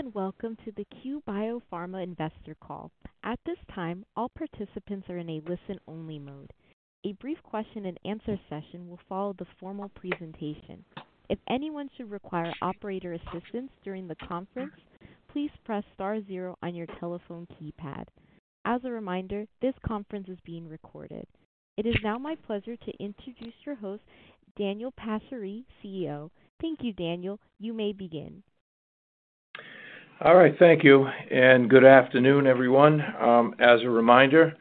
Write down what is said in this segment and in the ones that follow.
Greetings, welcome to the Cue Biopharma investor call. At this time, all participants are in a listen-only mode. A brief question and answer session will follow the formal presentation. If anyone should require operator assistance during the conference, please press star zero on your telephone keypad. As a reminder, this conference is being recorded. It is now my pleasure to introduce your host, Daniel Passeri, CEO. Thank you, Daniel. You may begin. All right, thank you. Good afternoon, everyone. As a reminder,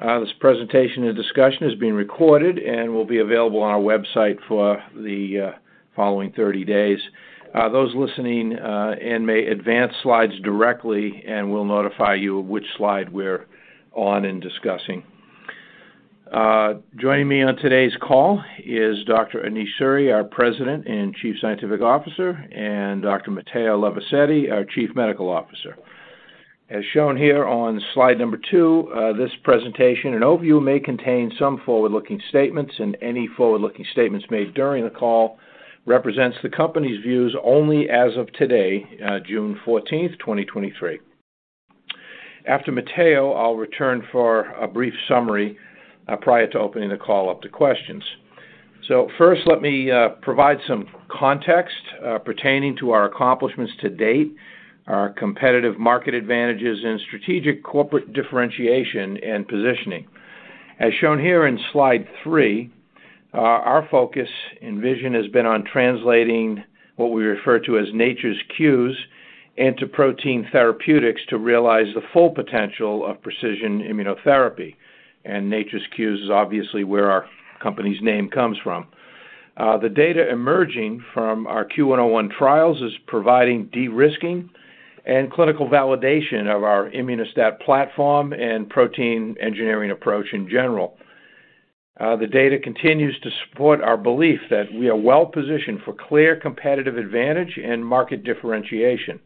this presentation and discussion is being recorded and will be available on our website for the following 30 days. Those listening may advance slides directly, and we'll notify you of which slide we're on and discussing. Joining me on today's call is Dr. Anish Suri, our President and Chief Scientific Officer, and Dr. Matteo Levisetti, our Chief Medical Officer. As shown here on slide two, this presentation and overview may contain some forward-looking statements. Any forward-looking statements made during the call represents the Company's views only as of today, June 14, 2023. After Matteo, I'll return for a brief summary prior to opening the call up to questions. First, let me provide some context pertaining to our accomplishments to date, our competitive market advantages and strategic corporate differentiation and positioning. As shown here in slide three, our focus and vision has been on translating what we refer to as nature's cues into protein therapeutics to realize the full potential of precision immunotherapy. Nature's cues is obviously where our company's name comes from. The data emerging from our CUE-101 trials is providing de-risking and clinical validation of our Immuno-STAT platform and protein engineering approach in general. The data continues to support our belief that we are well-positioned for clear competitive advantage and market differentiation.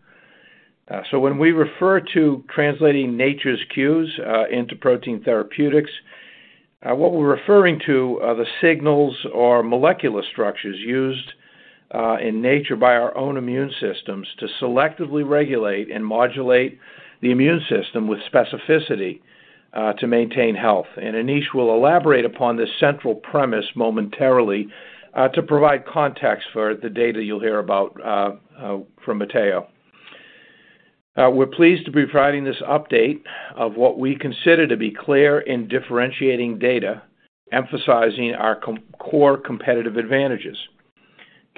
So when we refer to translating nature's cues into protein therapeutics, what we're referring to are the signals or molecular structures used in nature by our own immune systems to selectively regulate and modulate the immune system with specificity to maintain health. Anish will elaborate upon this central premise momentarily to provide context for the data you'll hear about from Matteo. We're pleased to be providing this update of what we consider to be clear in differentiating data, emphasizing our core competitive advantages.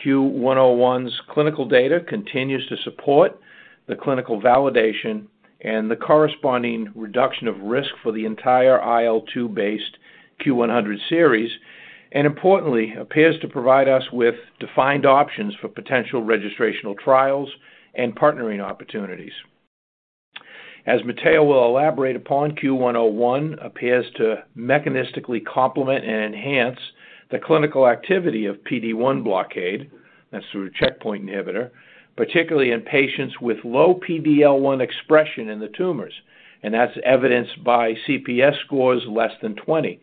CUE-101's clinical data continues to support the clinical validation and the corresponding reduction of risk for the entire IL-2 based CUE-100 series, and importantly, appears to provide us with defined options for potential registrational trials and partnering opportunities. As Matteo will elaborate upon, CUE-101 appears to mechanistically complement and enhance the clinical activity of PD-1 blockade, that's through a checkpoint inhibitor, particularly in patients with low PD-L1 expression in the tumors, and that's evidenced by CPS scores less than 20.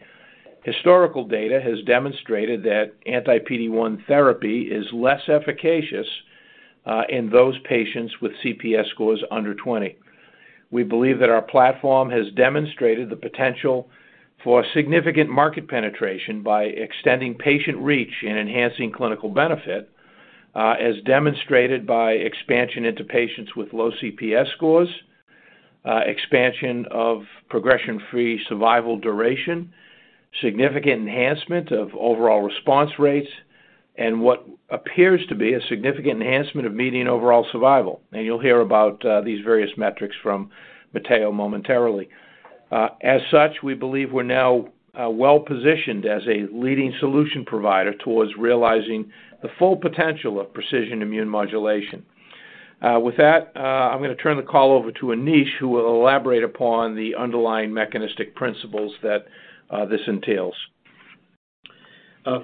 Historical data has demonstrated that anti-PD-1 therapy is less efficacious in those patients with CPS scores under 20. We believe that our platform has demonstrated the potential for significant market penetration by extending patient reach and enhancing clinical benefit, as demonstrated by expansion into patients with low CPS scores, expansion of progression-free survival duration, significant enhancement of overall response rates, and what appears to be a significant enhancement of median overall survival. You'll hear about these various metrics from Matteo momentarily. As such, we believe we're now well-positioned as a leading solution provider towards realizing the full potential of precision immune modulation. With that, I'm going to turn the call over to Anish, who will elaborate upon the underlying mechanistic principles that this entails.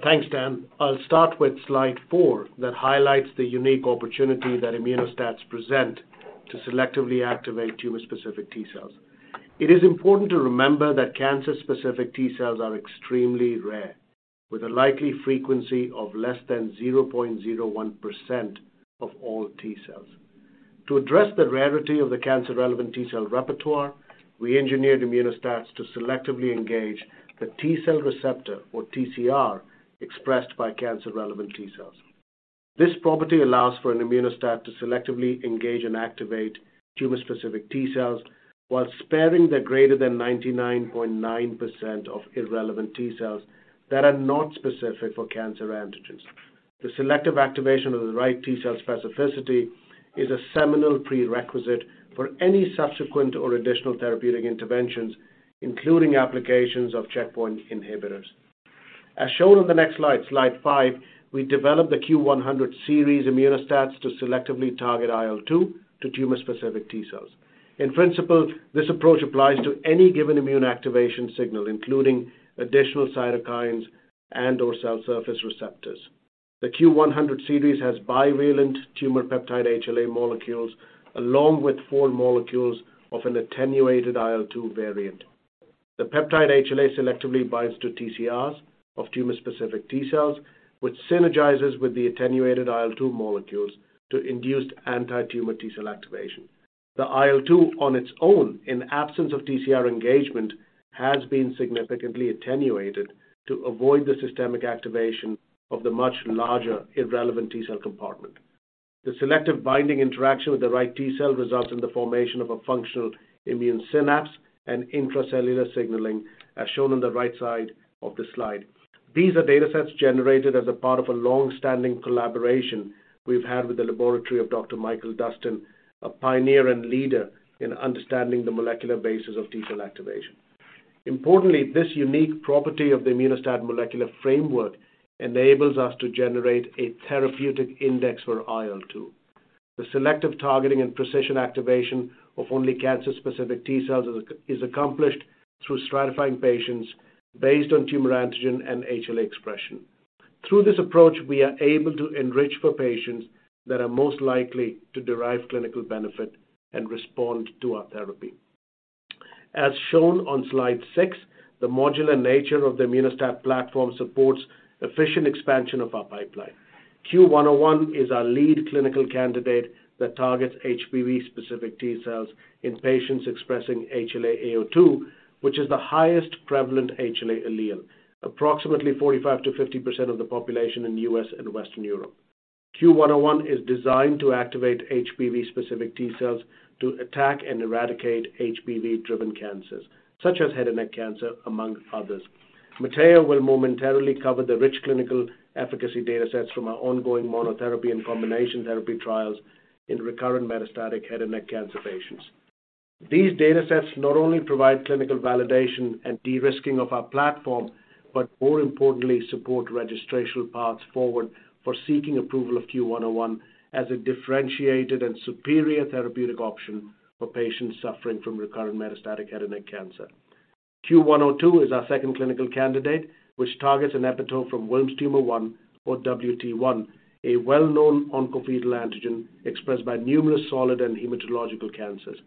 Thanks, Dan. I'll start with slide four, that highlights the unique opportunity that Immuno-STATs present to selectively activate tumor-specific T cells. It is important to remember that cancer-specific T cells are extremely rare, with a likely frequency of less than 0.01% of all T cells. To address the rarity of the cancer-relevant T cell repertoire, we engineered Immuno-STATs to selectively engage the T cell receptor, or TCR, expressed by cancer-relevant T cells. This property allows for an Immuno-STAT to selectively engage and activate tumor-specific T cells while sparing the greater than 99.9% of irrelevant T cells that are not specific for cancer antigens. The selective activation of the right T cell specificity is a seminal prerequisite for any subsequent or additional therapeutic interventions, including applications of checkpoint inhibitors. As shown on the next slide five, we developed the CUE-100 series Immuno-STATs to selectively target IL-2 to tumor-specific T cells. In principle, this approach applies to any given immune activation signal, including additional cytokines and/or cell surface receptors. The CUE-100 series has bivalent tumor peptide HLA molecules, along with four molecules of an attenuated IL-2 variant. The peptide HLA selectively binds to TCRs of tumor-specific T cells, which synergizes with the attenuated IL-2 molecules to induce anti-tumor T cell activation. The IL-2 on its own, in absence of TCR engagement, has been significantly attenuated to avoid the systemic activation of the much larger, irrelevant T cell compartment. The selective binding interaction with the right T cell results in the formation of a functional immune synapse and intracellular signaling, as shown on the right side of the slide. These are data sets generated as a part of a long-standing collaboration we've had with the laboratory of Dr. Michael Dustin, a pioneer and leader in understanding the molecular basis of T cell activation. Importantly, this unique property of the Immuno-STAT molecular framework enables us to generate a therapeutic index for IL-2. The selective targeting and precision activation of only cancer-specific T cells is accomplished through stratifying patients based on tumor antigen and HLA expression. Through this approach, we are able to enrich for patients that are most likely to derive clinical benefit and respond to our therapy. As shown on slide six, the modular nature of the Immuno-STAT platform supports efficient expansion of our pipeline. CUE-101 is our lead clinical candidate that targets HPV-specific T cells in patients expressing HLA-A02, which is the highest prevalent HLA allele, approximately 45%-50% of the population in the U.S. and Western Europe. CUE-101 is designed to activate HPV-specific T cells to attack and eradicate HPV-driven cancers, such as head and neck cancer, among others. Matteo will momentarily cover the rich clinical efficacy data sets from our ongoing monotherapy and combination therapy trials in recurrent metastatic head and neck cancer patients. These data sets not only provide clinical validation and de-risking of our platform, but more importantly, support registrational paths forward for seeking approval of CUE-101 as a differentiated and superior therapeutic option for patients suffering from recurrent metastatic head and neck cancer. CUE-102 is our second clinical candidate, which targets an epitope from Wilms' Tumor 1 or WT1, a well-known oncofetal antigen expressed by numerous solid and hematological cancers.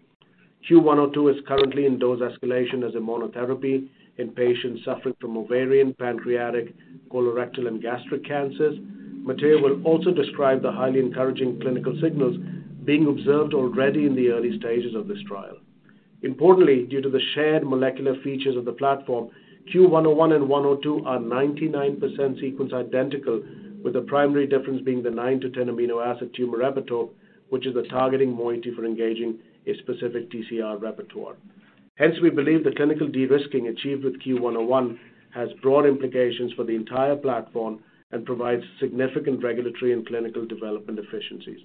CUE-102 is currently in dose escalation as a monotherapy in patients suffering from ovarian, pancreatic, colorectal, and gastric cancers. Matteo will also describe the highly encouraging clinical signals being observed already in the early stages of this trial. Due to the shared molecular features of the platform, CUE-101 and CUE-102 are 99% sequence identical, with the primary difference being the 9-10 amino acid tumor epitope, which is the targeting moiety for engaging a specific TCR repertoire. We believe the clinical de-risking achieved with CUE-101 has broad implications for the entire platform and provides significant regulatory and clinical development efficiencies.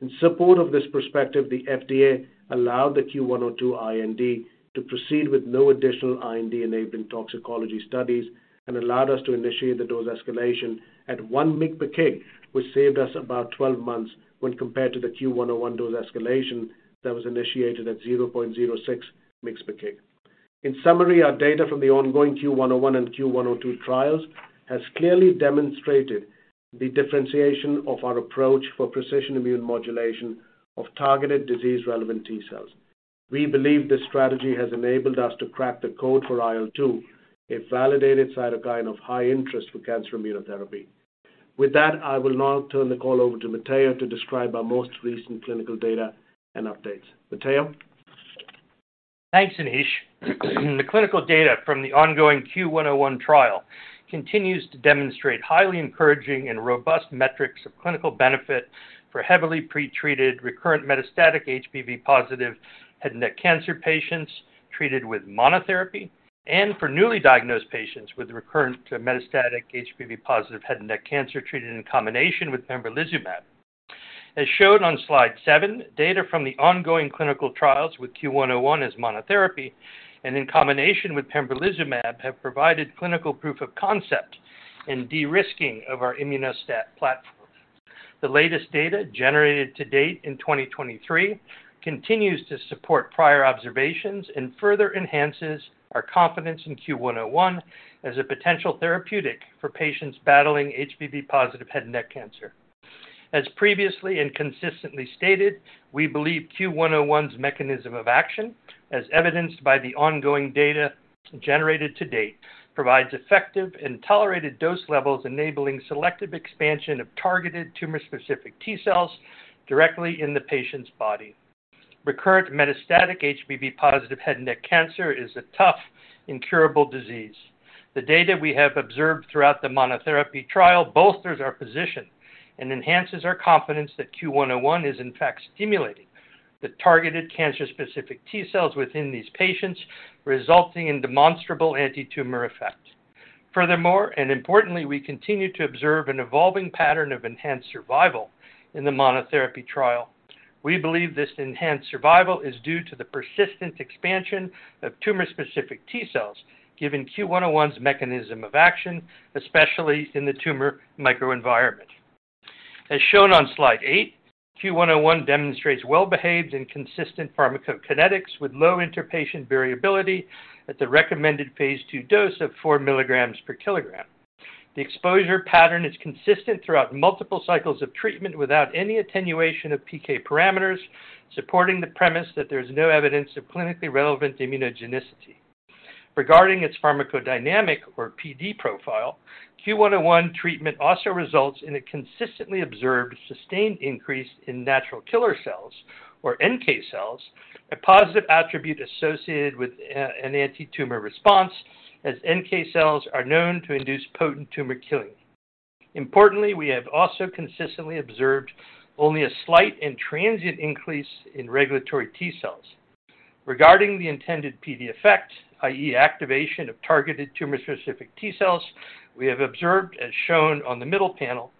In support of this perspective, the FDA allowed the CUE-102 IND to proceed with no additional IND-enabling toxicology studies and allowed us to initiate the dose escalation at 1 mg/kg, which saved us about 12 months when compared to the CUE-101 dose escalation that was initiated at 0.06 mg/kg. In summary, our data from the ongoing CUE-101 and CUE-102 trials has clearly demonstrated the differentiation of our approach for precision immune modulation of targeted disease-relevant T cells. We believe this strategy has enabled us to crack the code for IL-2, a validated cytokine of high interest for cancer immunotherapy. With that, I will now turn the call over to Matteo to describe our most recent clinical data and updates. Matteo? Thanks, Anish. The clinical data from the ongoing CUE-101 trial continues to demonstrate highly encouraging and robust metrics of clinical benefit for heavily pretreated recurrent metastatic HPV-positive head and neck cancer patients treated with monotherapy, and for newly diagnosed patients with recurrent metastatic HPV-positive head and neck cancer treated in combination with pembrolizumab. As shown on slide seven, data from the ongoing clinical trials with CUE-101 as monotherapy and in combination with pembrolizumab have provided clinical proof of concept in de-risking of our Immuno-STAT platform. The latest data generated to date in 2023 continues to support prior observations and further enhances our confidence in CUE-101 as a potential therapeutic for patients battling HPV-positive head and neck cancer. As previously and consistently stated, we believe CUE-101's mechanism of action, as evidenced by the ongoing data generated to date, provides effective and tolerated dose levels, enabling selective expansion of targeted tumor-specific T cells directly in the patient's body. Recurrent metastatic HPV-positive head and neck cancer is a tough, incurable disease. The data we have observed throughout the monotherapy trial bolsters our position and enhances our confidence that CUE-101 is in fact stimulating the targeted cancer-specific T cells within these patients, resulting in demonstrable antitumor effects. Furthermore, and importantly, we continue to observe an evolving pattern of enhanced survival in the monotherapy trial. We believe this enhanced survival is due to the persistent expansion of tumor-specific T cells, given CUE-101's mechanism of action, especially in the tumor microenvironment. As shown on slide eight, CUE-101 demonstrates well-behaved and consistent pharmacokinetics with low interpatient variability at the recommended phase II dose of 4 mg/kg. The exposure pattern is consistent throughout multiple cycles of treatment without any attenuation of PK parameters, supporting the premise that there is no evidence of clinically relevant immunogenicity. Regarding its pharmacodynamic or PD profile, CUE-101 treatment also results in a consistently observed sustained increase in natural killer cells, or NK cells, a positive attribute associated with an anti-tumor response, as NK cells are known to induce potent tumor killing. Importantly, we have also consistently observed only a slight and transient increase in regulatory T cells. Regarding the intended PD effect, i.e., activation of targeted tumor-specific T cells, we have observed, as shown on the middle panel,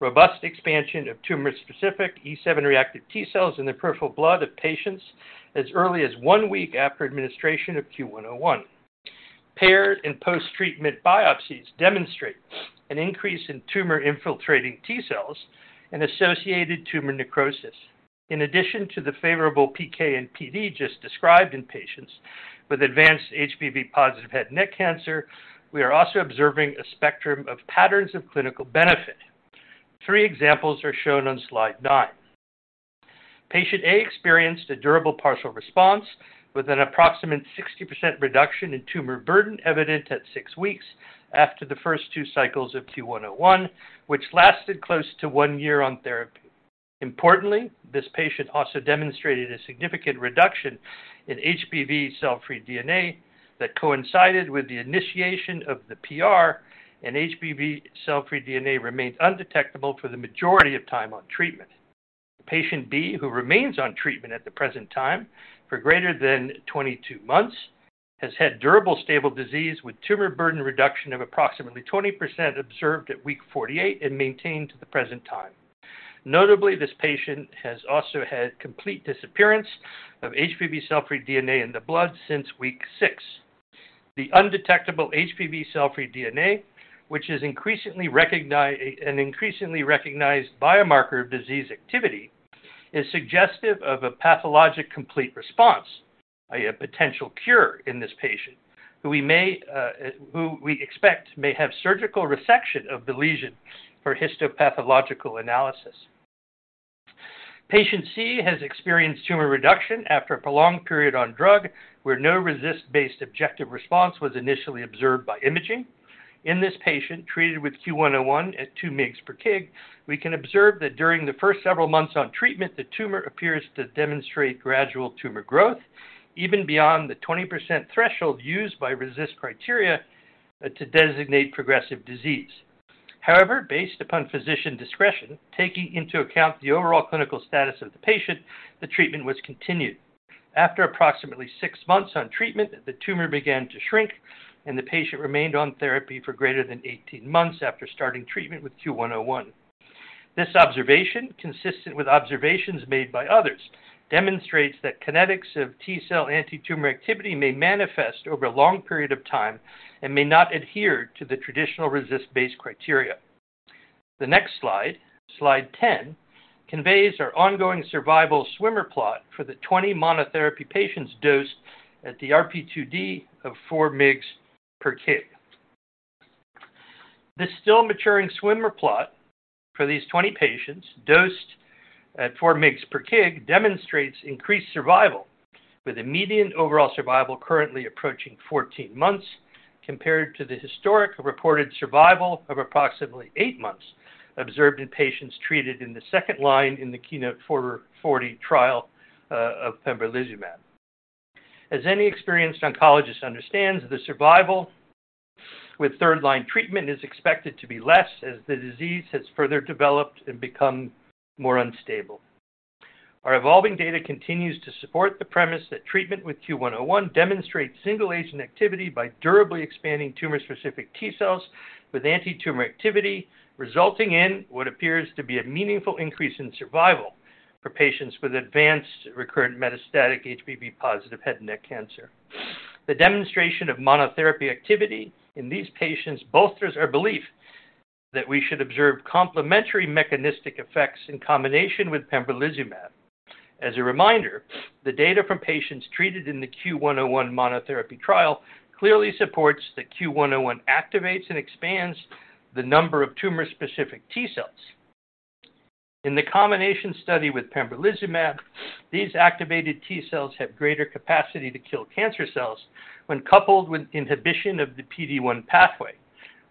robust expansion of tumor-specific E7-reactive T cells in the peripheral blood of patients as early as one week after administration of CUE-101. Paired and post-treatment biopsies demonstrate an increase in tumor-infiltrating T cells and associated tumor necrosis. In addition to the favorable PK and PD just described in patients with advanced HPV-positive head and neck cancer, we are also observing a spectrum of patterns of clinical benefit. Three examples are shown on slide nine. Patient A experienced a durable partial response with an approximate 60% reduction in tumor burden evident at six weeks after the first two cycles of CUE-101, which lasted close to one year on therapy. Importantly, this patient also demonstrated a significant reduction in HPV cell-free DNA that coincided with the initiation of the PR. HPV cell-free DNA remains undetectable for the majority of time on treatment. Patient B, who remains on treatment at the present time for greater than 22 months, has had durable, stable disease, with tumor burden reduction of approximately 20% observed at week 48 and maintained to the present time. Notably, this patient has also had complete disappearance of HPV cell-free DNA in the blood since week six. The undetectable HPV cell-free DNA, which is an increasingly recognized biomarker of disease activity, is suggestive of a pathologic complete response, i.e., a potential cure in this patient, who we expect may have surgical resection of the lesion for histopathological analysis. Patient C has experienced tumor reduction after a prolonged period on drug, where no RECIST-based objective response was initially observed by imaging. In this patient, treated with CUE-101 at 2 mg/kg, we can observe that during the first several months on treatment, the tumor appears to demonstrate gradual tumor growth, even beyond the 20% threshold used by RECIST criteria to designate progressive disease. However, based upon physician discretion, taking into account the overall clinical status of the patient, the treatment was continued. After approximately six months on treatment, the tumor began to shrink, and the patient remained on therapy for greater than 18 months after starting treatment with CUE-101. This observation, consistent with observations made by others, demonstrates that kinetics of T-cell antitumor activity may manifest over a long period of time and may not adhere to the traditional RECIST-based criteria. The next slide 10, conveys our ongoing survival swimmer plot for the 20 monotherapy patients dosed at the RP2D of 4 mg/kg. This still-maturing swimmer plot for these 20 patients, dosed at 4 mg/kg, demonstrates increased survival, with a median overall survival currently approaching 14 months, compared to the historic reported survival of approximately eight months observed in patients treated in the second line in the KEYNOTE-040 trial of pembrolizumab. As any experienced oncologist understands, the survival with third-line treatment is expected to be less as the disease has further developed and become more unstable. Our evolving data continues to support the premise that treatment with CUE-101 demonstrates single-agent activity by durably expanding tumor-specific T cells with antitumor activity, resulting in what appears to be a meaningful increase in survival for patients with advanced recurrent metastatic HPV-positive head and neck cancer. The demonstration of monotherapy activity in these patients bolsters our belief that we should observe complementary mechanistic effects in combination with pembrolizumab. As a reminder, the data from patients treated in the CUE-101 monotherapy trial clearly supports that CUE-101 activates and expands the number of tumor-specific T cells. In the combination study with pembrolizumab, these activated T cells have greater capacity to kill cancer cells when coupled with inhibition of the PD-1 pathway,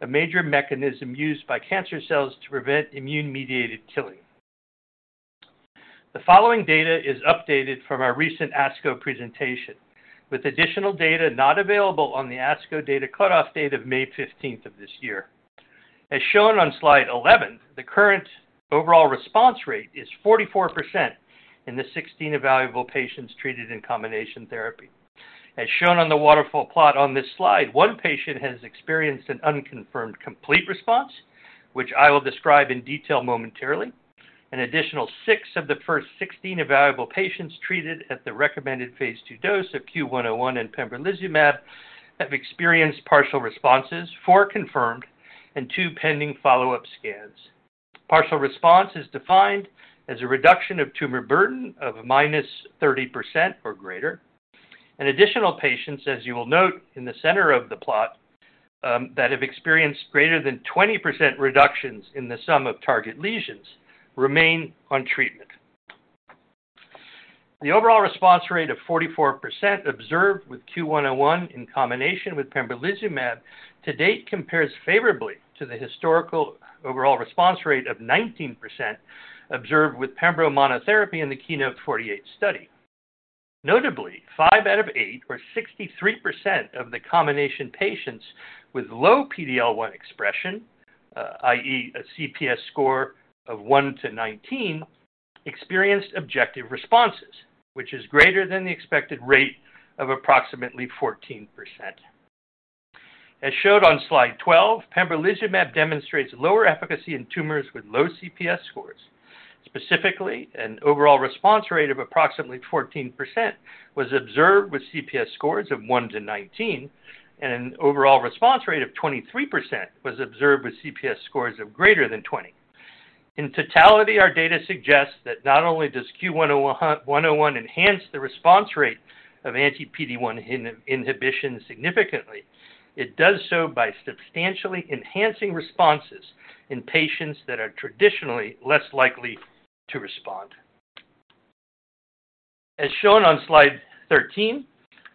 a major mechanism used by cancer cells to prevent immune-mediated killing. The following data is updated from our recent ASCO presentation, with additional data not available on the ASCO data cutoff date of May 15th of this year. As shown on slide 11, the current overall response rate is 44% in the 16 evaluable patients treated in combination therapy. As shown on the waterfall plot on this slide, one patient has experienced an unconfirmed complete response, which I will describe in detail momentarily. An additional six of the first 16 evaluable patients treated at the recommended phase II dose of CUE-101 and pembrolizumab have experienced partial responses, four confirmed and two pending follow-up scans. Partial response is defined as a reduction of tumor burden of -30% or greater. Additional patients, as you will note in the center of the plot, that have experienced greater than 20% reductions in the sum of target lesions remain on treatment. The overall response rate of 44% observed with CUE-101 in combination with pembrolizumab to date, compares favorably to the historical overall response rate of 19% observed with pembro monotherapy in the KEYNOTE-048 study. Notably, five out of eight, or 63% of the combination patients with low PD-L1 expression, i.e., a CPS score of 1-19, experienced objective responses, which is greater than the expected rate of approximately 14%. As showed on slide 12, pembrolizumab demonstrates lower efficacy in tumors with low CPS scores. Specifically, an overall response rate of approximately 14% was observed with CPS scores of 1-19, and an overall response rate of 23% was observed with CPS scores of greater than 20. In totality, our data suggests that not only does CUE-101, 101 enhance the response rate of anti-PD-1 inhibition significantly, it does so by substantially enhancing responses in patients that are traditionally less likely to respond. As shown on slide 13,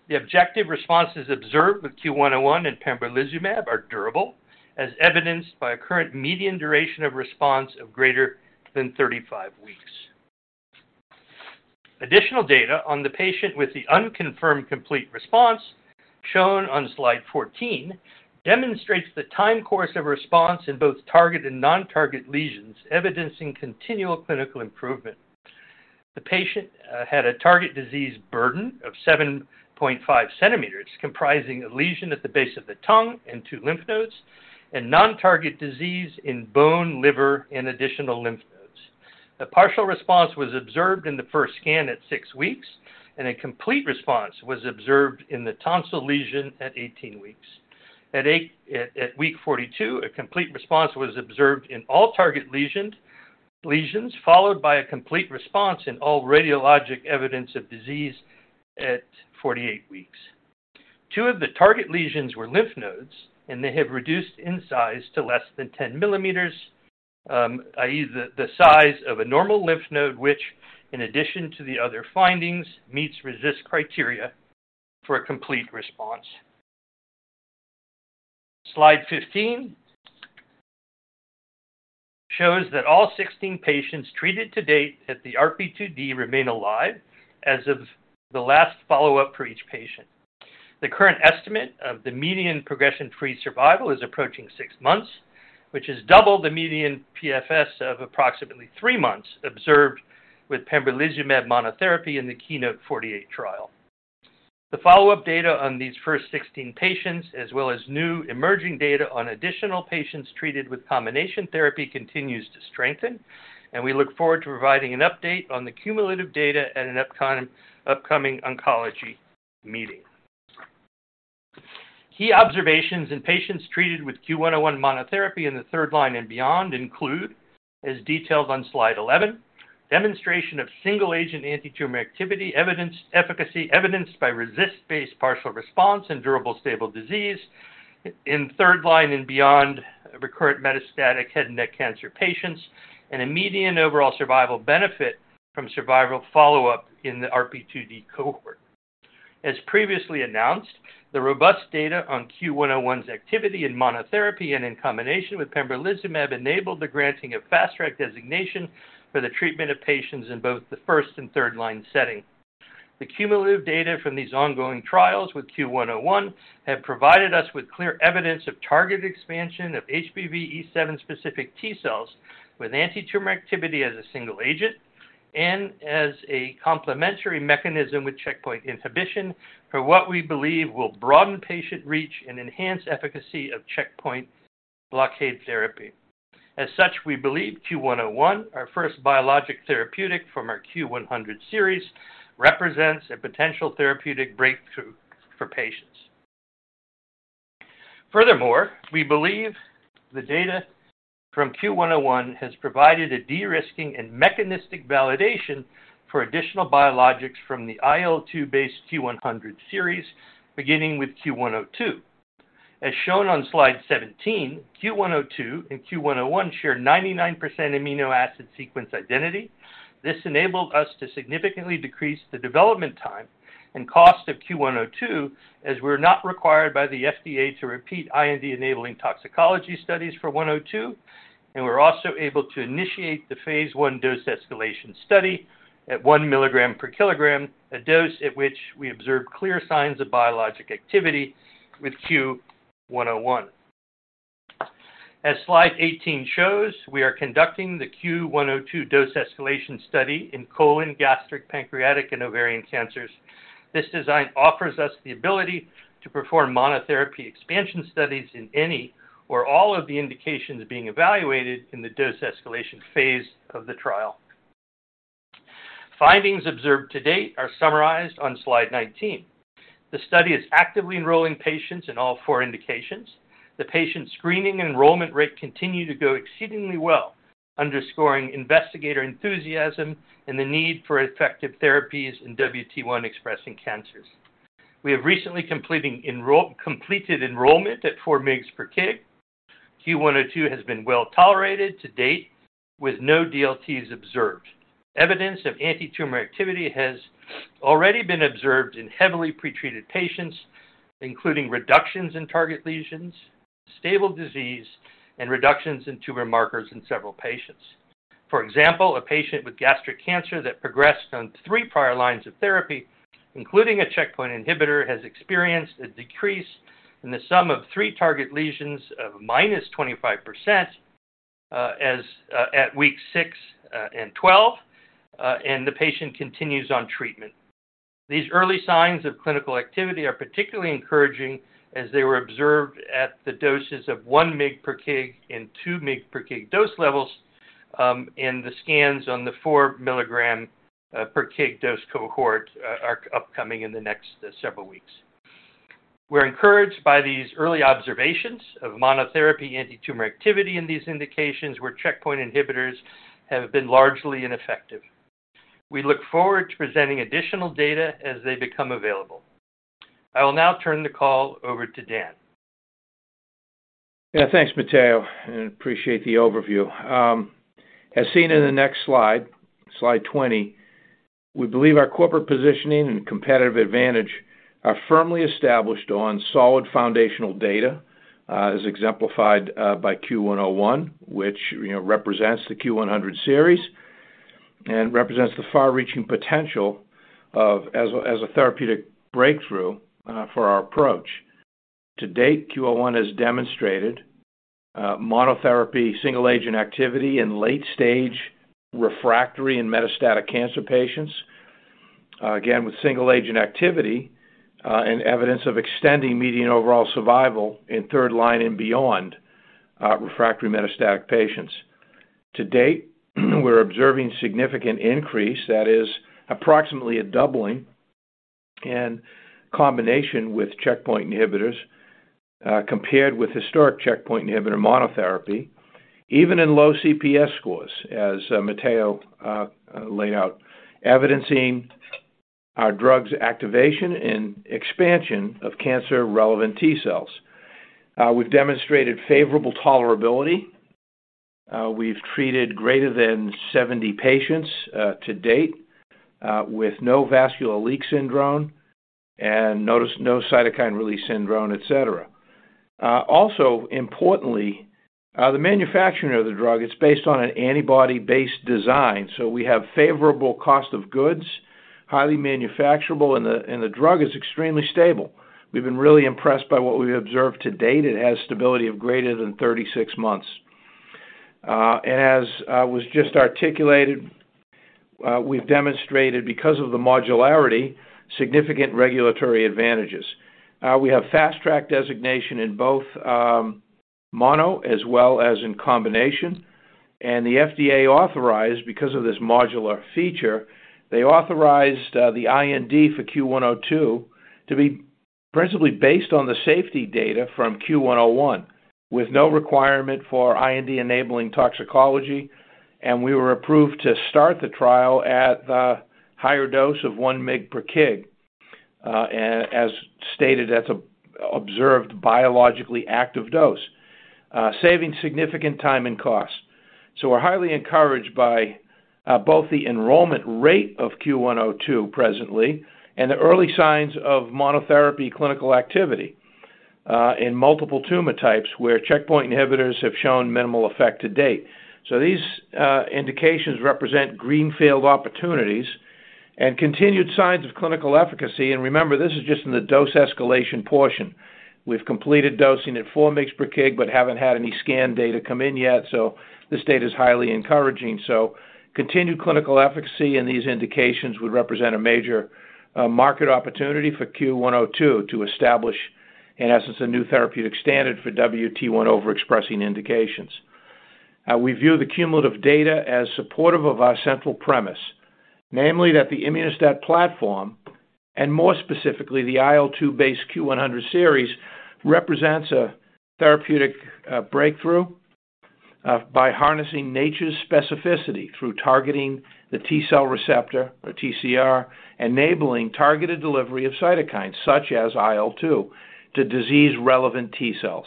the objective responses observed with CUE-101 and pembrolizumab are durable, as evidenced by a current median duration of response of greater than 35 weeks. Additional data on the patient with the unconfirmed complete response shown on slide 14, demonstrates the time course of response in both target and non-target lesions, evidencing continual clinical improvement. The patient had a target disease burden of 7.5 cm, comprising a lesion at the base of the tongue and 2 lymph nodes, and non-target disease in bone, liver, and additional lymph nodes. A partial response was observed in the first scan at six weeks, and a complete response was observed in the tonsil lesion at 18 weeks. At week 42, a complete response was observed in all target lesions, followed by a complete response in all radiologic evidence of disease at 48 weeks. Two of the target lesions were lymph nodes, and they have reduced in size to less than 10 mm, i.e., the size of a normal lymph node, which, in addition to the other findings, meets RECIST criteria for a complete response. Slide 15 shows that all 16 patients treated to date at the RP2D remain alive as of the last follow-up for each patient. The current estimate of the median progression-free survival is approaching six months, which is double the median PFS of approximately three months observed with pembrolizumab monotherapy in the KEYNOTE-048 trial. The follow-up data on these first 16 patients, as well as new emerging data on additional patients treated with combination therapy, continues to strengthen, and we look forward to providing an update on the cumulative data at an upcoming oncology meeting. Key observations in patients treated with CUE-101 monotherapy in the third line and beyond include, as detailed on slide 11, demonstration of single-agent antitumor activity, evidence efficacy, evidenced by RECIST-based partial response and durable stable disease in third line and beyond recurrent metastatic head and neck cancer patients. A median overall survival benefit from survival follow-up in the RP2D cohort. As previously announced, the robust data on CUE-101's activity in monotherapy and in combination with pembrolizumab enabled the granting of Fast Track designation for the treatment of patients in both the first and third-line setting. The cumulative data from these ongoing trials with CUE-101 have provided us with clear evidence of target expansion of HPV E7-specific T cells, with antitumor activity as a single agent and as a complementary mechanism with checkpoint inhibition for what we believe will broaden patient reach and enhance efficacy of checkpoint blockade therapy. As such, we believe CUE-101, our first biologic therapeutic from our CUE-100 series, represents a potential therapeutic breakthrough for patients. Furthermore, we believe the data from CUE-101 has provided a de-risking and mechanistic validation for additional biologics from the IL-2 based CUE-100 series, beginning with CUE-102. As shown on slide 17, CUE-102 and CUE-101 share 99% amino acid sequence identity. This enabled us to significantly decrease the development time and cost of CUE-102, as we're not required by the FDA to repeat IND-enabling toxicology studies for 102. We're also able to initiate the phase I dose escalation study at 1 mg/kg, a dose at which we observe clear signs of biologic activity with CUE-101. As slide 18 shows, we are conducting the CUE-102 dose escalation study in colon, gastric, pancreatic, and ovarian cancers. This design offers us the ability to perform monotherapy expansion studies in any or all of the indications being evaluated in the dose escalation phase of the trial. Findings observed to date are summarized on slide 19. The study is actively enrolling patients in all four indications. The patient screening and enrollment rate continue to go exceedingly well, underscoring investigator enthusiasm and the need for effective therapies in WT1-expressing cancers. We have recently completed enrollment at 4 mg/kg. CUE-102 has been well tolerated to date, with no DLTs observed. Evidence of antitumor activity has already been observed in heavily pretreated patients, including reductions in target lesions, stable disease, and reductions in tumor markers in several patients. For example, a patient with gastric cancer that progressed on three prior lines of therapy, including a checkpoint inhibitor, has experienced a decrease in the sum of three target lesions of -25% as at week six and 12, and the patient continues on treatment. These early signs of clinical activity are particularly encouraging as they were observed at the doses of 1 mg/kg and 2 mg/kg dose levels, the scans on the 4 mg/kg dose cohort are upcoming in the next several weeks. We're encouraged by these early observations of monotherapy antitumor activity in these indications, where checkpoint inhibitors have been largely ineffective. We look forward to presenting additional data as they become available. I will now turn the call over to Dan. Thanks, Matteo, and appreciate the overview. As seen in the next slide 20, we believe our corporate positioning and competitive advantage are firmly established on solid foundational data, as exemplified by CUE-101, which, you know, represents the CUE-100 series and represents the far-reaching potential as a therapeutic breakthrough for our approach. To date, CUE-101 has demonstrated monotherapy single-agent activity in late-stage refractory and metastatic cancer patients. Again, with single-agent activity, and evidence of extending median overall survival in third line and beyond, refractory metastatic patients. To date, we're observing significant increase that is approximately a doubling in combination with checkpoint inhibitors, compared with historic checkpoint inhibitor monotherapy, even in low CPS scores, as Matteo laid out, evidencing our drugs' activation and expansion of cancer-relevant T cells. We've demonstrated favorable tolerability. We've treated greater than 70 patients to date with no vascular leak syndrome and notice no cytokine release syndrome, et cetera. Importantly, the manufacturing of the drug, it's based on an antibody-based design, so we have favorable cost of goods, highly manufacturable, and the drug is extremely stable. We've been really impressed by what we've observed to date. It has stability of greater than 36 months. As was just articulated, we've demonstrated, because of the modularity, significant regulatory advantages. We have Fast Track designation in both mono as well as in combination. The FDA authorized, because of this modular feature, they authorized the IND for CUE-102 to be principally based on the safety data from CUE-101, with no requirement for IND-enabling toxicology. We were approved to start the trial at a higher dose of 1 mg/kg, as stated, that's observed biologically active dose, saving significant time and cost. We're highly encouraged by both the enrollment rate of CUE-102 presently and the early signs of monotherapy clinical activity in multiple tumor types where checkpoint inhibitors have shown minimal effect to date. These indications represent greenfield opportunities and continued signs of clinical efficacy. Remember, this is just in the dose escalation portion. We've completed dosing at 4 mg/kg, but haven't had any scan data come in yet, so this data is highly encouraging. Continued clinical efficacy in these indications would represent a major market opportunity for CUE-102 to establish, in essence, a new therapeutic standard for WT1 overexpressing indications. We view the cumulative data as supportive of our central premise, namely, that the Immuno-STAT platform, and more specifically, the IL-2-based CUE-100 series, represents a therapeutic breakthrough by harnessing nature's specificity through targeting the T cell receptor, the TCR, enabling targeted delivery of cytokines such as IL-2 to disease-relevant T cells.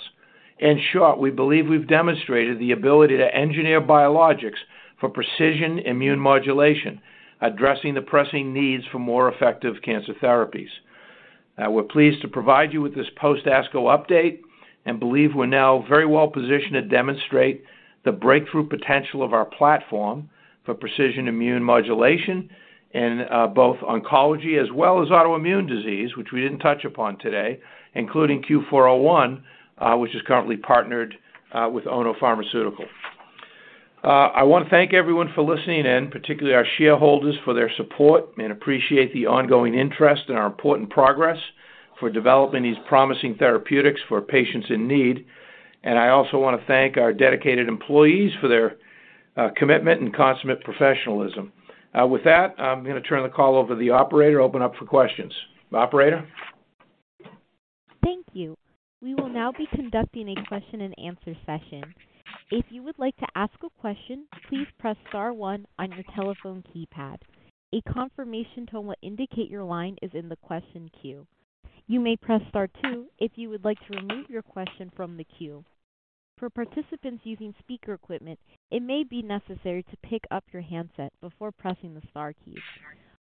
In short, we believe we've demonstrated the ability to engineer biologics for precision immune modulation, addressing the pressing needs for more effective cancer therapies. We're pleased to provide you with this post ASCO update and believe we're now very well positioned to demonstrate the breakthrough potential of our platform for precision immune modulation in both oncology as well as autoimmune disease, which we didn't touch upon today, including CUE-401, which is currently partnered with Ono Pharmaceutical. I want to thank everyone for listening in, particularly our shareholders, for their support, and appreciate the ongoing interest in our important progress for developing these promising therapeutics for patients in need. I also want to thank our dedicated employees for their commitment and consummate professionalism. With that, I'm gonna turn the call over to the operator, open up for questions. Operator? Thank you. We will now be conducting a question and answer session. If you would like to ask a question, please press star one on your telephone keypad. A confirmation tone will indicate your line is in the question queue. You may press star two if you would like to remove your question from the queue. For participants using speaker equipment, it may be necessary to pick up your handset before pressing the star key.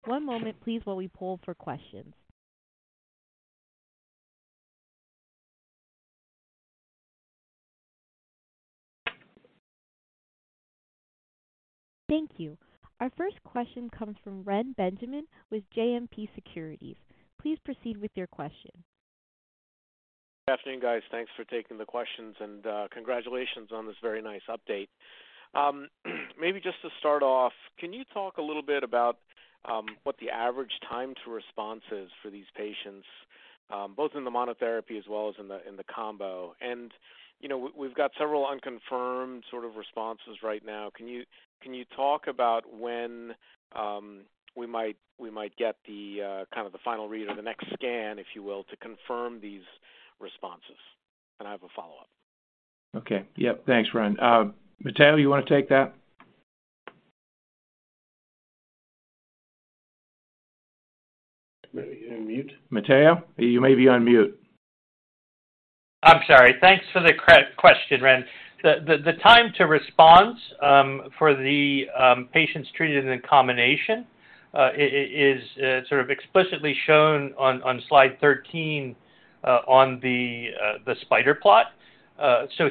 One moment please, while we poll for questions. Thank you. Our first question comes from Reni Benjamin with JMP Securities. Please proceed with your question. Good afternoon, guys. Thanks for taking the questions, and congratulations on this very nice update. Maybe just to start off, can you talk a little bit about what the average time to response is for these patients, both in the monotherapy as well as in the, in the combo? You know, we've got several unconfirmed sort of responses right now. Can you talk about when we might get the kind of the final read or the next scan, if you will, to confirm these responses? I have a follow-up. Okay. Yep. Thanks, Reni. Matteo, you want to take that? You're on mute. Matteo, you may be on mute. I'm sorry. Thanks for the question, Reni. The time to response for the patients treated in combination is sort of explicitly shown on slide 13 on the spider plot.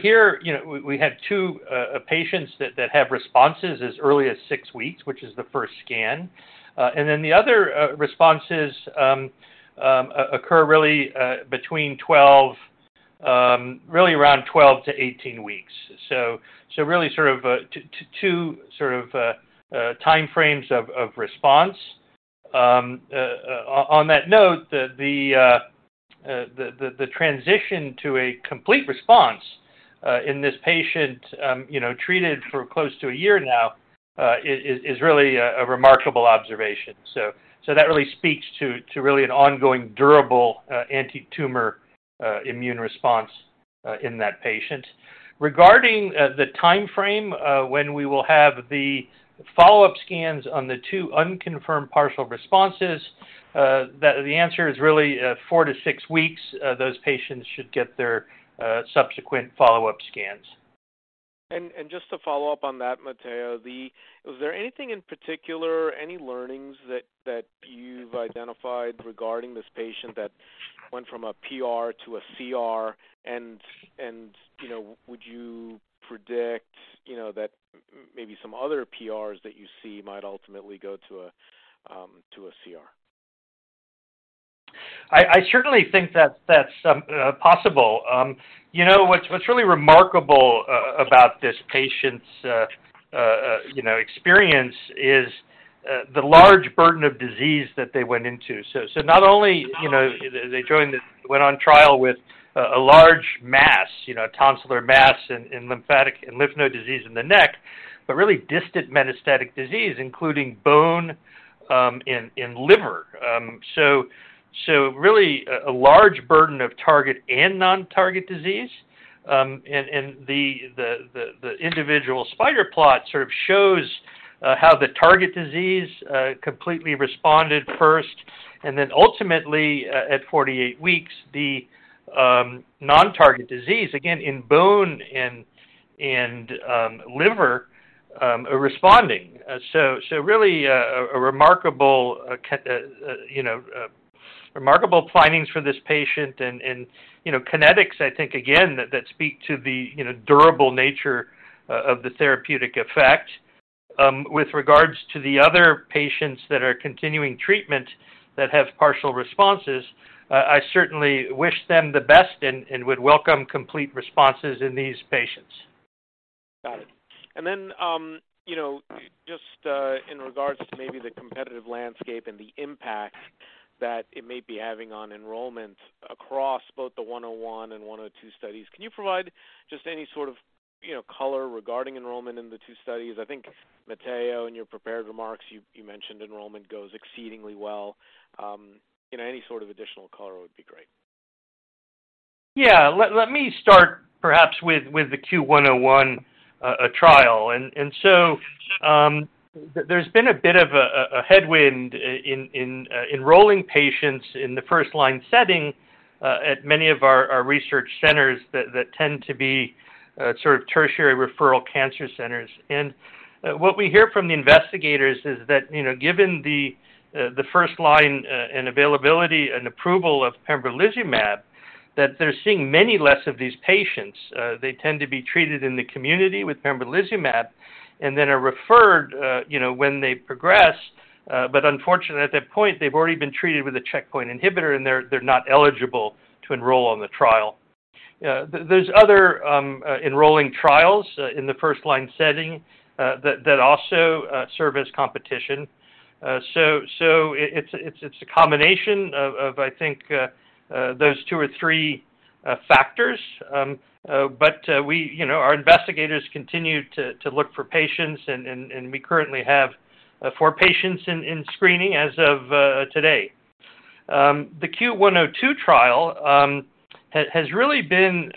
Here, you know, we had two patients that have responses as early as six weeks, which is the first scan. The other responses occur really between 12, really around 12 to 18 weeks. Really sort of two sort of time frames of response. On that note, the transition to a complete response in this patient, you know, treated for close to a year now, is really a remarkable observation. That really speaks to, really an ongoing, durable, antitumor, immune response, in that patient. Regarding, the time frame, when we will have the follow-up scans on the two unconfirmed partial responses, the answer is really, four to six weeks. Those patients should get their subsequent follow-up scans. Just to follow up on that, Matteo, is there anything in particular, any learnings that you've identified regarding this patient that went from a PR to a CR? You know, would you predict, you know, that maybe some other PRs that you see might ultimately go to a, to a CR? I certainly think that's possible. You know, what's really remarkable about this patient's, you know, experience is the large burden of disease that they went into. Not only, you know, they joined went on trial with a large mass, you know, tonsillar mass and lymphatic and lymph node disease in the neck, but really distant metastatic disease, including bone and liver. Really a large burden of target and non-target disease. The individual spider plot sort of shows how the target disease completely responded first, and then ultimately, at 48 weeks, the non-target disease, again in bone and liver, are responding. Really a remarkable, you know, remarkable findings for this patient and, you know, kinetics, I think, again, that speak to the, you know, durable nature of the therapeutic effect. With regards to the other patients that are continuing treatment that have partial responses, I certainly wish them the best and would welcome complete responses in these patients. Got it. You know, just in regards to maybe the competitive landscape and the impact that it may be having on enrollment across both the 101 and 102 studies, can you provide just any sort of, you know, color regarding enrollment in the two studies? I think, Matteo, in your prepared remarks, you mentioned enrollment goes exceedingly well. You know, any sort of additional color would be great. Let me start perhaps with the CUE-101 trial. There's been a bit of a headwind enrolling patients in the first-line setting at many of our research centers that tend to be sort of tertiary referral cancer centers. What we hear from the investigators is that, you know, given the first-line and availability and approval of pembrolizumab, that they're seeing many less of these patients. They tend to be treated in the community with pembrolizumab and then are referred, you know, when they progress. Unfortunately, at that point, they've already been treated with a checkpoint inhibitor, and they're not eligible to enroll on the trial. There's other enrolling trials in the first-line setting that also serve as competition. It's a combination of, I think, those two or three factors. We, you know, our investigators continue to look for patients, and we currently have four patients in screening as of today. The CUE-102 trial has really been,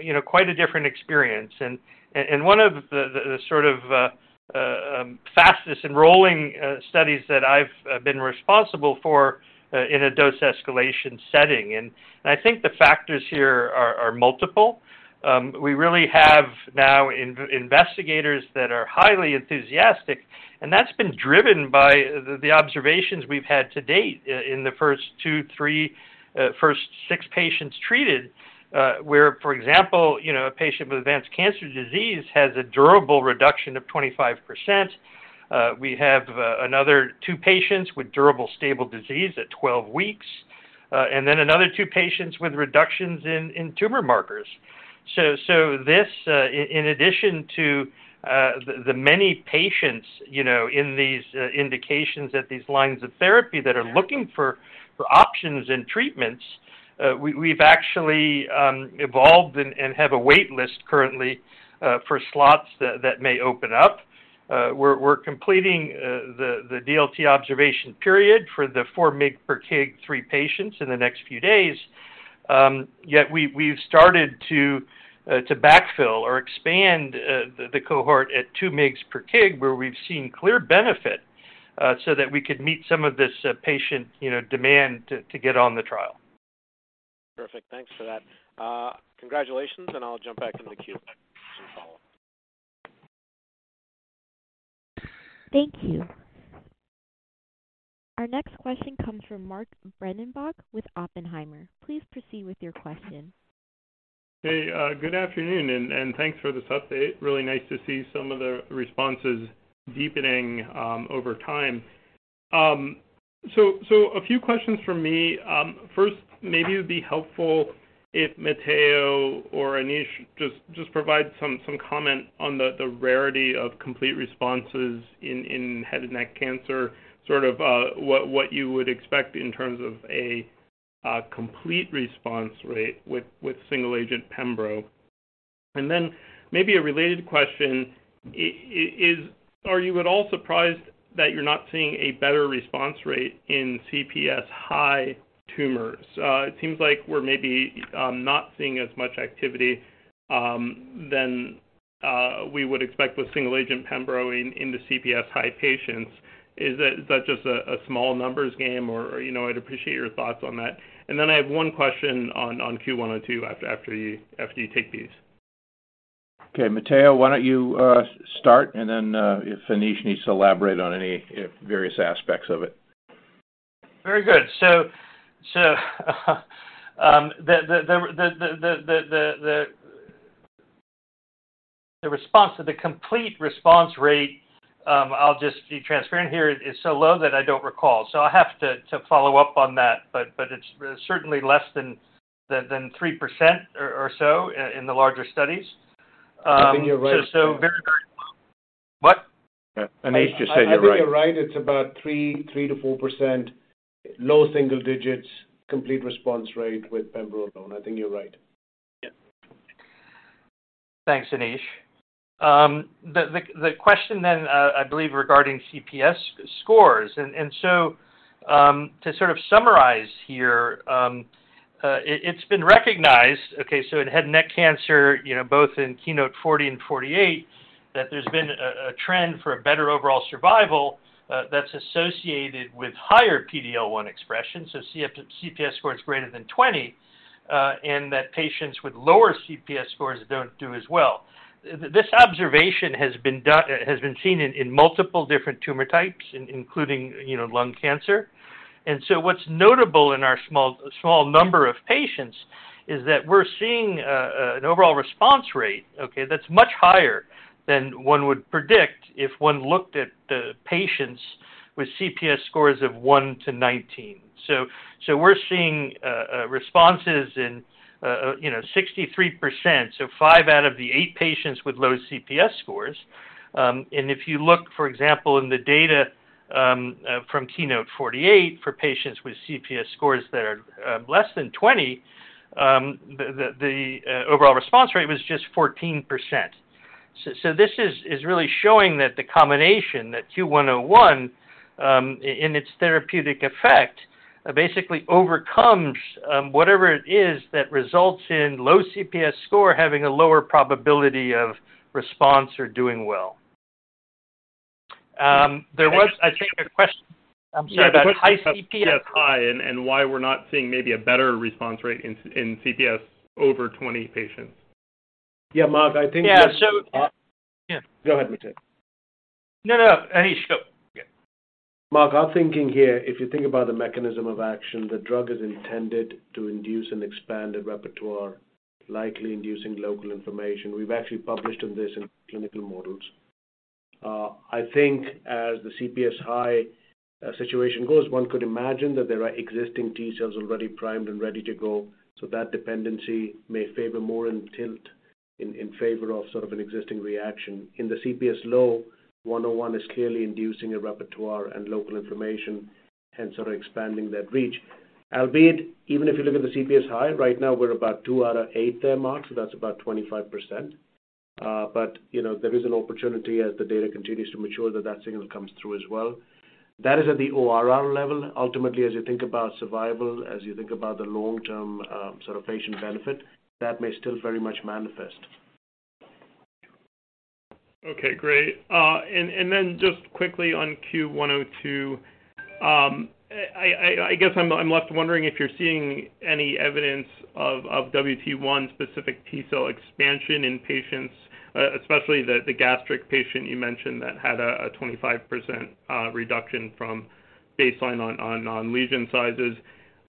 you know, quite a different experience and one of the sort of fastest enrolling studies that I've been responsible for in a dose escalation setting. I think the factors here are multiple. We really have now investigators that are highly enthusiastic, and that's been driven by the observations we've had to date in the first two, three, first six patients treated. Where, for example, you know, a patient with advanced cancer disease has a durable reduction of 25%. We have another two patients with durable, stable disease at 12 weeks, and then another two patients with reductions in tumor markers. This, in addition to the many patients, you know, in these indications that these lines of therapy that are looking for options and treatments, we've actually evolved and have a wait list currently for slots that may open up. We're completing the DLT observation period for the 4 mg/kg, three patients in the next few days. We've started to backfill or expand the cohort at 2 mg/kg, where we've seen clear benefit, so that we could meet some of this patient, you know, demand to get on the trial. Perfect. Thanks for that. Congratulations. I'll jump back in the queue back some follow-up. Thank you. Our next question comes from Mark Breidenbach with Oppenheimer. Please proceed with your question. Hey, good afternoon, and thanks for this update. Really nice to see some of the responses deepening over time. So, a few questions from me. First, maybe it would be helpful if Matteo or Anish just provide some comment on the rarity of complete responses in head and neck cancer, sort of, what you would expect in terms of a complete response rate with single-agent pembro. Maybe a related question is, are you at all surprised that you're not seeing a better response rate in CPS-high tumors? It seems like we're maybe not seeing as much activity than we would expect with single-agent pembro in the CPS-high patients. Is that just a small numbers game or, you know, I'd appreciate your thoughts on that. I have one question on CUE-102 after you take these. Matteo, why don't you start and then if Anish needs to elaborate on any various aspects of it. Very good. The response to the complete response rate, I'll just be transparent here, is so low that I don't recall. I have to follow up on that. It's certainly less than 3% or so in the larger studies. I think you're right. So very, very low. What? Anish, just say you're right. I think you're right. It's about 3%-4%, low single digits, complete response rate with pembro alone. I think you're right. Yeah. Thanks, Anish. The question then, I believe, regarding CPS scores. To sort of summarize here, it's been recognized, okay, so in head and neck cancer, you know, both in KEYNOTE-040 and KEYNOTE-048, that there's been a trend for a better overall survival that's associated with higher PD-L1 expression, so CPS score is greater than 20, and that patients with lower CPS scores don't do as well. This observation has been done, has been seen in multiple different tumor types, including, you know, lung cancer. What's notable in our small number of patients is that we're seeing an overall response rate, okay, that's much higher than one would predict if one looked at the patients with CPS scores of 1-19. We're seeing responses in, you know, 63%, so five out of the eight patients with low CPS scores. If you look, for example, in the data from KEYNOTE-048, for patients with CPS scores that are less than 20, the overall response rate was just 14%. This is really showing that the combination, that CUE-101 in its therapeutic effect, basically overcomes whatever it is that results in low CPS score having a lower probability of response or doing well. There was, I think, a question, I'm sorry, about high CPS. CPS high, and why we're not seeing maybe a better response rate in CPS over 20 patients. Yeah, Mark, I think. Yeah. Go ahead, Matteo. No, no, Anish, go. Yeah. Mark, our thinking here, if you think about the mechanism of action, the drug is intended to induce an expanded repertoire, likely inducing local information. We've actually published on this in clinical models. I think as the CPS high situation goes, one could imagine that there are existing T cells already primed and ready to go, so that dependency may favor more in tilt in favor of sort of an existing reaction. In the CPS low, CUE-101 is clearly inducing a repertoire and local inflammation and sort of expanding that reach. Albeit, even if you look at the CPS high, right now, we're about two out of eight there, Mark, so that's about 25%. You know, there is an opportunity as the data continues to mature, that that signal comes through as well. That is at the ORR level. Ultimately, as you think about survival, as you think about the long-term, sort of patient benefit, that may still very much manifest. Okay, great. Then just quickly on CUE-102. I guess I'm left wondering if you're seeing any evidence of WT1 specific T-cell expansion in patients, especially the gastric patient you mentioned that had a 25% reduction from baseline on lesion sizes,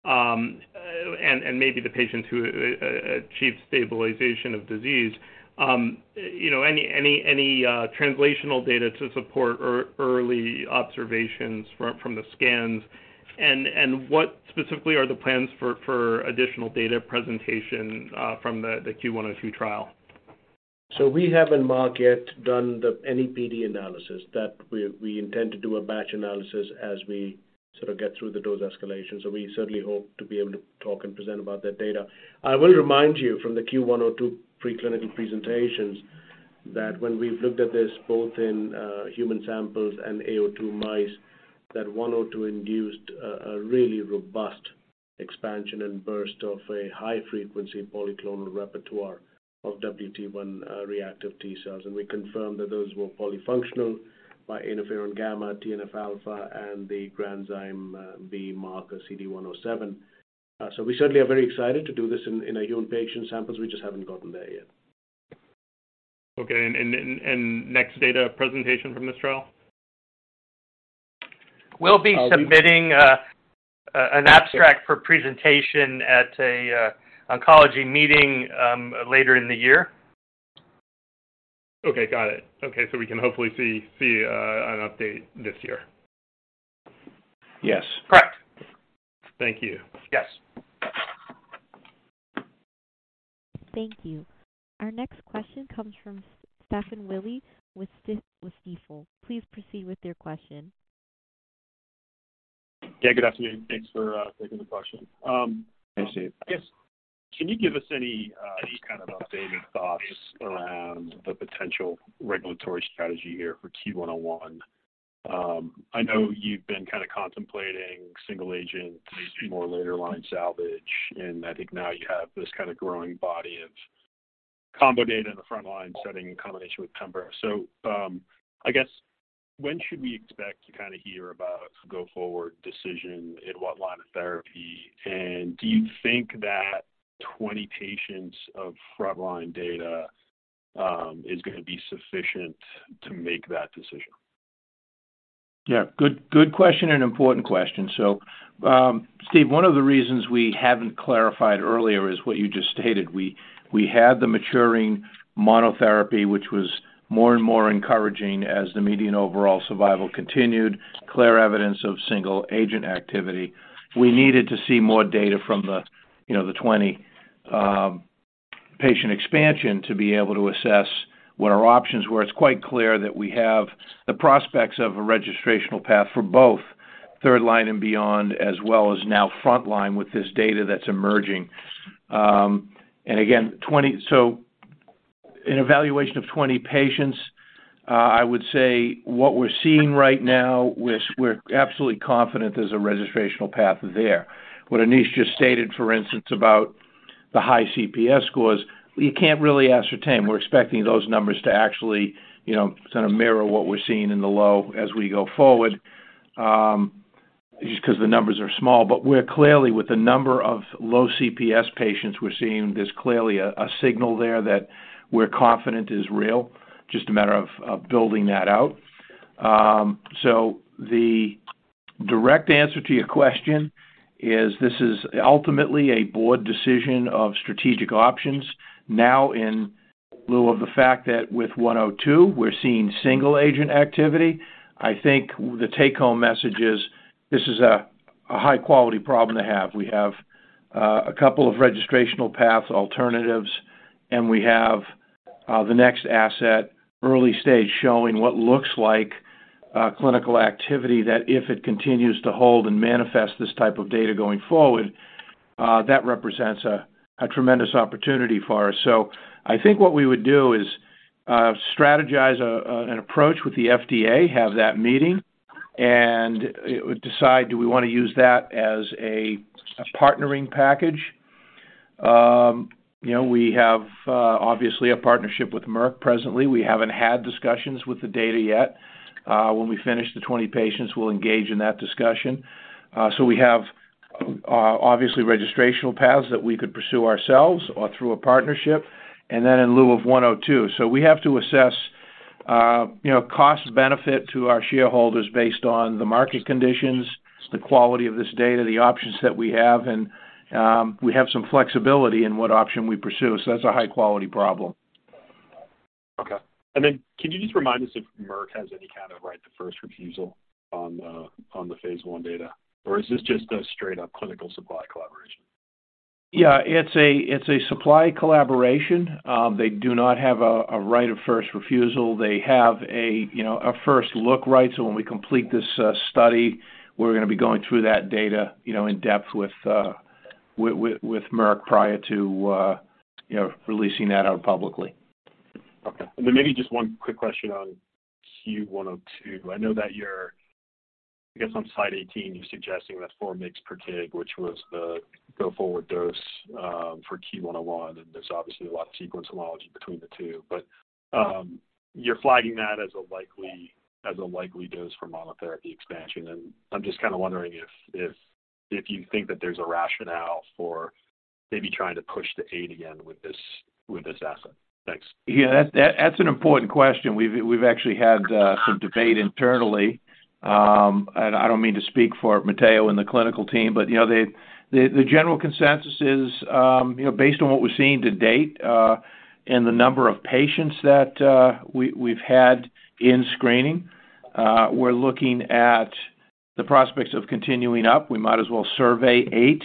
and maybe the patients who achieved stabilization of disease. You know, any translational data to support or early observations from the scans? What specifically are the plans for additional data presentation from the CUE-102 trial? We haven't yet done the NEPD analysis. That we intend to do a batch analysis as we sort of get through the dose escalation. We certainly hope to be able to talk and present about that data. I will remind you from the CUE-102 preclinical presentations, that when we've looked at this both in human samples and A02 mice, that one or two induced a really robust expansion and burst of a high-frequency polyclonal repertoire of WT one reactive T cells. We confirmed that those were polyfunctional by interferon gamma, TNF alpha, and the granzyme B marker CD-107. We certainly are very excited to do this in a human patient samples. We just haven't gotten there yet. Okay. next data presentation from this trial? We'll be submitting an abstract for presentation at an oncology meeting later in the year. Okay, got it. We can hopefully see an update this year. Yes. Correct. Thank you. Yes. Thank you. Our next question comes from Stephen Willey with Stifel. Please proceed with your question. Yeah, good afternoon. Thanks for taking the question. Thanks, Steve. I guess, can you give us any, kind of updated thoughts around the potential regulatory strategy here for CUE-101? I know you've been kind of contemplating single agent, more later line salvage, and I think now you have this kind of growing body of combo data in the frontline setting in combination with pembro. I guess, when should we expect to kind of hear about go-forward decision, in what line of therapy? Do you think that 20 patients of frontline data, is gonna be sufficient to make that decision? Good, good question and important question. Steve, one of the reasons we haven't clarified earlier is what you just stated. We had the maturing monotherapy, which was more and more encouraging as the median overall survival continued. Clear evidence of single agent activity. We needed to see more data from the, you know, the 20 patient expansion to be able to assess what our options were. It's quite clear that we have the prospects of a registrational path for both third line and beyond, as well as now frontline with this data that's emerging. And again, 20. An evaluation of 20 patients, I would say what we're seeing right now, we're absolutely confident there's a registrational path there. What Anish just stated, for instance, about the high CPS scores, you can't really ascertain. We're expecting those numbers to actually, you know, kind of mirror what we're seeing in the low as we go forward, just 'cause the numbers are small. We're clearly, with the number of low CPS patients we're seeing, there's clearly a signal there that we're confident is real, just a matter of building that out. The direct answer to your question is, this is ultimately a board decision of strategic options. In lieu of the fact that with CUE-102, we're seeing single agent activity, I think the take-home message is this is a high-quality problem to have. We have a couple of registrational path alternatives, and we have the next asset, early stage, showing what looks like clinical activity, that if it continues to hold and manifest this type of data going forward, that represents a tremendous opportunity for us. I think what we would do is strategize an approach with the FDA, have that meeting, and decide, do we want to use that as a partnering package? You know, we have obviously a partnership with Merck presently. We haven't had discussions with the data yet. When we finish the 20 patients, we'll engage in that discussion. We have obviously, registrational paths that we could pursue ourselves or through a partnership, and then in lieu of 102. We have to assess, cost-benefit to our shareholders based on the market conditions, the quality of this data, the options that we have, and, we have some flexibility in what option we pursue. That's a high-quality problem. Okay. Then could you just remind us if Merck has any kind of right of first refusal on the, on the phase I data, or is this just a straight-up clinical supply collaboration? Yeah, it's a supply collaboration. They do not have a right of first refusal. They have a, you know, first look right. When we complete this study, we're gonna be going through that data, you know, in-depth with Merck prior to, you know, releasing that out publicly. Okay. Maybe just one quick question on CUE-102. I know that you're, I guess, on slide 18, you're suggesting that 4 mg/kg, which was the go-forward dose for CUE-101, and there's obviously a lot of sequence homology between the two. You're flagging that as a likely dose for monotherapy expansion. I'm just kind of wondering if you think that there's a rationale for maybe trying to push to eight again with this asset. Thanks. Yeah, that's an important question. We've actually had some debate internally. I don't mean to speak for Matteo and the clinical team, but, you know, the general consensus is, you know, based on what we've seen to date, and the number of patients that we've had in screening, we're looking at the prospects of continuing up. We might as well survey eight,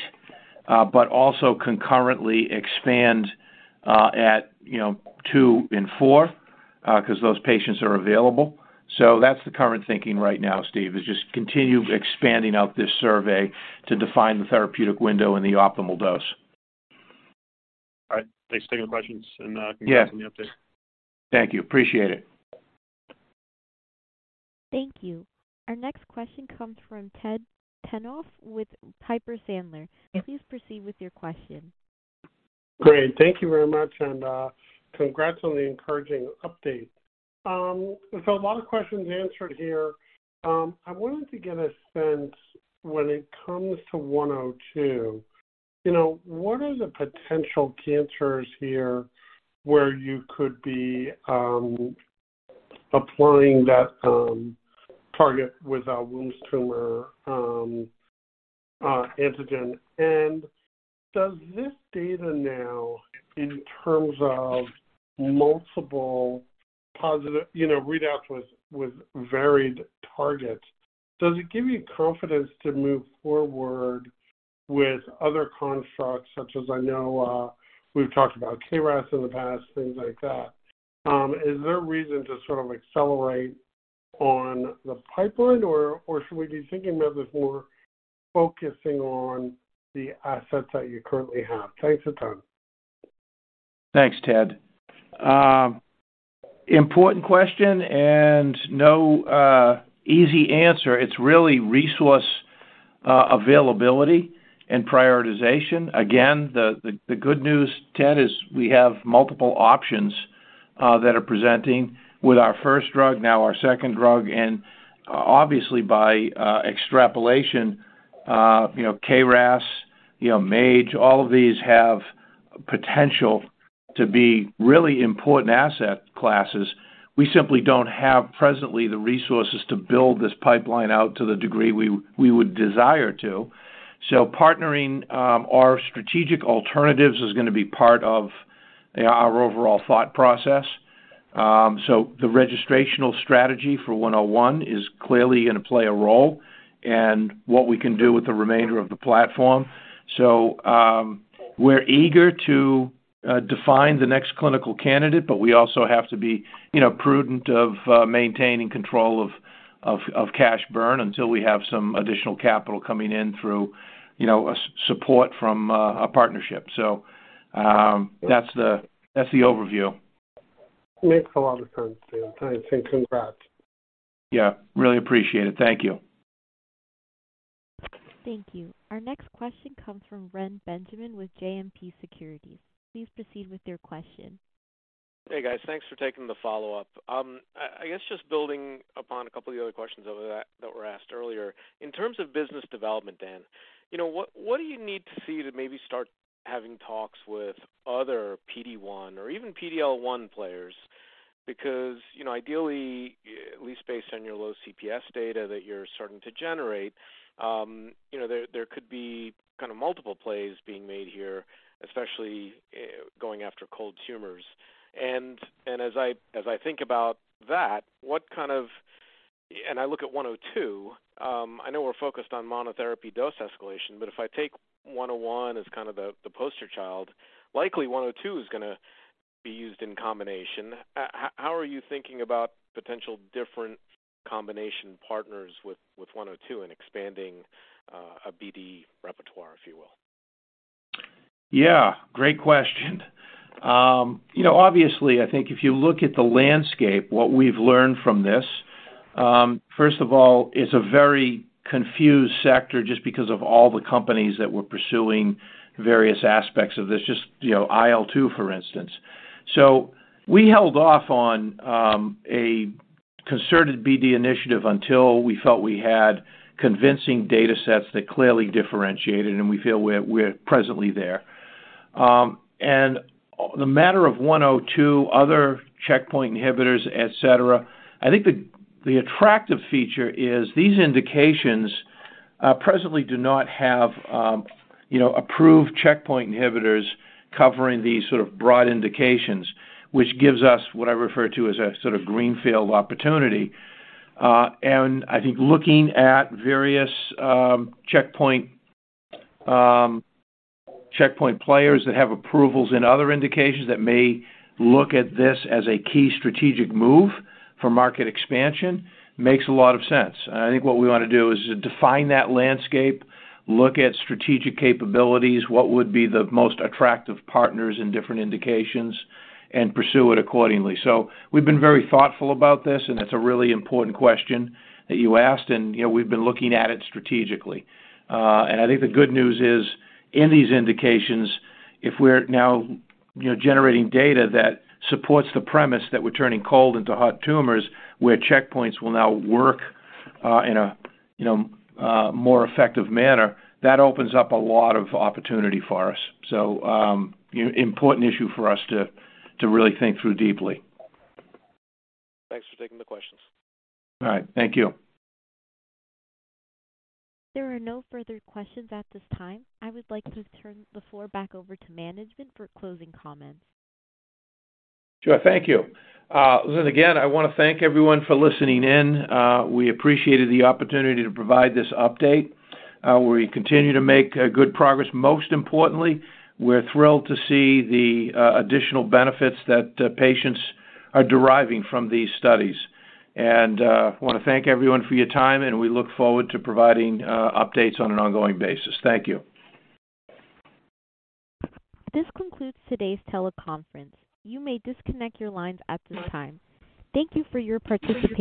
but also concurrently expand at, you know, two and four, because those patients are available. That's the current thinking right now, Stephen, is just continue expanding out this survey to define the therapeutic window and the optimal dose. All right. Thanks for taking the questions. Yeah. Congrats on the update. Thank you. Appreciate it. Thank you. Our next question comes from Ted Tenthoff with Piper Sandler. Please proceed with your question. Great. Thank you very much, and congrats on the encouraging update. A lot of questions answered here. I wanted to get a sense when it comes to CUE-102, you know, what are the potential cancers here where you could be applying that target without Wilms' tumor antigen? Does this data now, in terms of multiple positive, you know, readouts with varied targets, does it give you confidence to move forward with other constructs such as I know we've talked about KRAS in the past, things like that. Is there a reason to sort of accelerate on the pipeline, or should we be thinking about this more focusing on the assets that you currently have? Thanks a ton. Thanks, Ted. Important question and no easy answer. It's really resource availability and prioritization. Again, the good news, Ted, is we have multiple options that are presenting with our first drug, now our second drug, and obviously by extrapolation, you know, KRAS, you know, MAGE, all of these have potential to be really important asset classes. We simply don't have presently the resources to build this pipeline out to the degree we would desire to. Partnering our strategic alternatives is gonna be part of our overall thought process. The registrational strategy for 101 is clearly going to play a role in what we can do with the remainder of the platform. We're eager to define the next clinical candidate, but we also have to be, you know, prudent of maintaining control of cash burn until we have some additional capital coming in through, you know, a support from a partnership. That's the overview. Makes a lot of sense, Dan. Thanks, and congrats. Yeah, really appreciate it. Thank you. Thank you. Our next question comes from Reni Benjamin with JMP Securities. Please proceed with your question. Hey, guys. Thanks for taking the follow-up. I guess just building upon a couple of the other questions that were asked earlier. In terms of business development, Dan, you know, what do you need to see to maybe start having talks with other PD-1 or even PD-L1 players? You know, ideally, at least based on your low CPS data that you're starting to generate, you know, there could be kind of multiple plays being made here, especially going after cold tumors. As I think about that, what kind of, I look at CUE-102, I know we're focused on monotherapy dose escalation, but if I take CUE-101 as kind of the poster child, likely CUE-102 is gonna be used in combination. How are you thinking about potential different combination partners with CUE-102 and expanding a BD repertoire, if you will? Yeah, great question. You know, obviously, I think if you look at the landscape, what we've learned from this, first of all, it's a very confused sector just because of all the companies that were pursuing various aspects of this, just, you know, IL-2, for instance. We held off on a concerted BD initiative until we felt we had convincing data sets that clearly differentiated, and we feel we're presently there. The matter of CUE-102, other checkpoint inhibitors, et cetera, I think the attractive feature is these indications, presently do not have, you know, approved checkpoint inhibitors covering these sort of broad indications, which gives us what I refer to as a sort of greenfield opportunity. I think looking at various checkpoint players that have approvals in other indications that may look at this as a key strategic move for market expansion makes a lot of sense. I think what we want to do is define that landscape, look at strategic capabilities, what would be the most attractive partners in different indications, and pursue it accordingly. We've been very thoughtful about this, and it's a really important question that you asked, and, you know, we've been looking at it strategically. I think the good news is, in these indications, if we're now, you know, generating data that supports the premise that we're turning cold into hot tumors, where checkpoints will now work, in a, you know, more effective manner, that opens up a lot of opportunity for us. Important issue for us to really think through deeply. Thanks for taking the questions. All right. Thank you. There are no further questions at this time. I would like to turn the floor back over to management for closing comments. Sure. Thank you. Again, I want to thank everyone for listening in. We appreciated the opportunity to provide this update. We continue to make good progress. Most importantly, we're thrilled to see the additional benefits that the patients are deriving from these studies. I want to thank everyone for your time, and we look forward to providing updates on an ongoing basis. Thank you. This concludes today's teleconference. You may disconnect your lines at this time. Thank you for your participation.